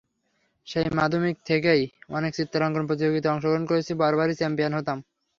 সেই মাধ্যমিক থেকেই অনেক চিত্রাঙ্কন প্রতিযোগিতায় অংশগ্রহণ করেছি, বরাবরই চ্যাম্পিয়ন হতাম।